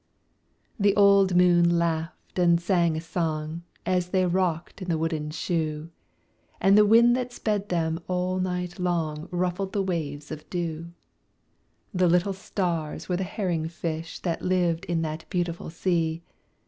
The old moon laughed and sang a song, As they rocked in the wooden shoe; And the wind that sped them all night long Ruffled the waves of dew; The little stars were the herring fish That lived in the beautiful sea.